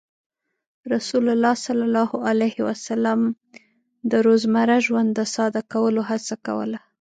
رسول الله صلى الله عليه وسلم د روزمره ژوند د ساده کولو هڅه کوله.